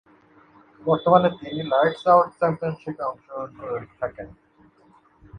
বর্তমানে তিনি "lights out চ্যাম্পিয়নশিপে" অংশগ্রহণ করে থাকেন।